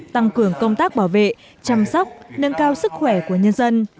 tăng cường công tác bảo vệ chăm sóc nâng cao sức khỏe của nhân dân